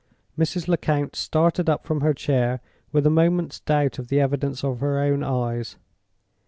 Mrs. Lecount started up from her chair with a moment's doubt of the evidence of her own eyes.